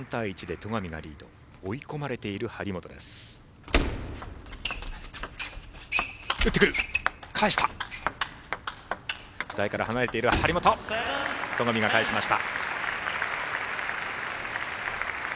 戸上が返しました。